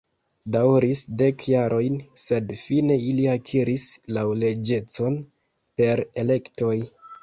Daŭris dek jarojn, sed fine ili akiris laŭleĝecon per elektoj.